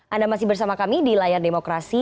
anda masih bersama kami di layar demokrasi